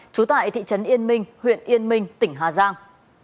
trú tại thị trấn yên minh huyện yên minh tỉnh hà giang